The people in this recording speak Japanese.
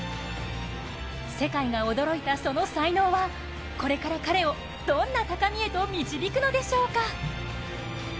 世界が驚いたその才能は、これから彼をどんな高みへと導くのでしょうか。